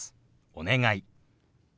「お願い」。